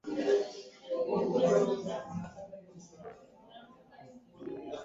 umoja na nafsi yake ya Kimungu zinapatikana sasa hali hizo